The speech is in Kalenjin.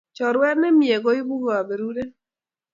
Choruet nemie koipu kaberuret